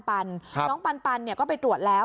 คุณหน้องปันเนี่ยก็ไปตรวจแล้ว